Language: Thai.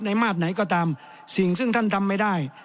มาตรไหนก็ตามสิ่งซึ่งท่านทำไม่ได้